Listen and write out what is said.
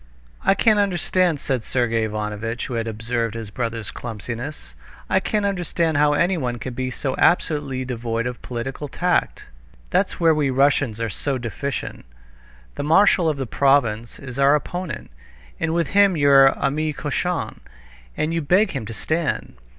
"I can't understand," said Sergey Ivanovitch, who had observed his brother's clumsiness, "I can't understand how anyone can be so absolutely devoid of political tact. That's where we Russians are so deficient. The marshal of the province is our opponent, and with him you're ami cochon, and you beg him to stand.